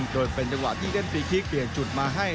โดยเป็นจังหวะที่เล่นฟรีคลิกเปลี่ยนจุดมาให้